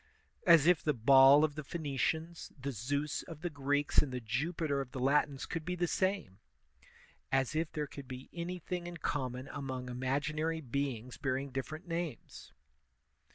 As if the Baal of the Phoenicians, the 2^us of the Greeks, and the Jupiter of the Latins could be the same! As if there could be anything in common among imaginary beings bearing different names!